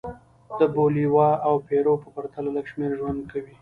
د بولیویا او پیرو په پرتله لږ شمېر ژوند کوي.